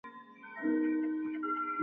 هغې د نرم کوڅه په اړه خوږه موسکا هم وکړه.